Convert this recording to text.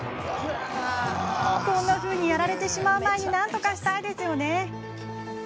こんなふうにやられてしまう前になんとかしたいですよね。